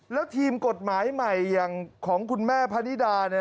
แล้วทีมกฎหมายใหม่อย่างของคุณแม่พะนิดา